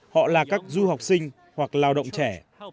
họ là các du học sinh hoặc lao động trẻ